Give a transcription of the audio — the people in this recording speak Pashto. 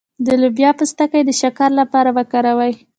د لوبیا پوستکی د شکر لپاره وکاروئ